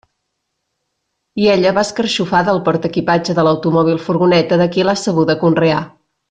I ella va escarxofada al portaequipatge de l'automòbil furgoneta de qui l'ha sabuda conrear.